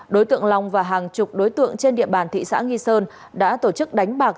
đối tượng long và hàng chục đối tượng trên địa bàn thị xã nghi sơn đã tổ chức đánh bạc